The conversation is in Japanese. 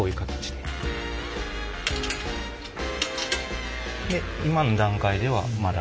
で今の段階ではまだ。